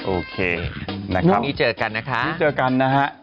โอเคนี้เจอกันนะฮะนี้เจอกันนะฮะ